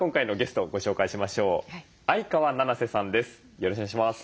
よろしくお願いします。